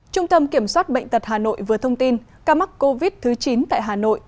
trung tâm kiểm soát bệnh tật hà nội vừa thông tin ca mắc covid thứ chín tại hà nội